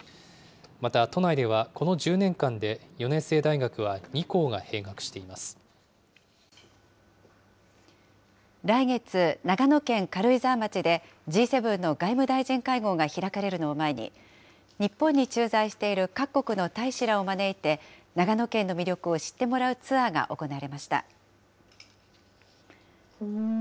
また都内では、この１０年間で、４年制大学は２校が閉学していま来月、長野県軽井沢町でＧ７の外務大臣会合が開かれるのを前に、日本に駐在している各国の大使らを招いて、長野県の魅力を知ってもらうツアーが行われました。